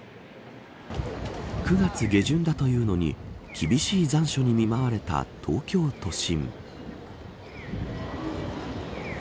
９月下旬だというのに厳しい残暑に見舞われた東京都心。